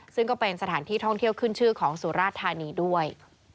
ซึ่งก็เป็นสถานที่ท่องเที่ยวขึ้นชื่อของสุราชธานีด้วย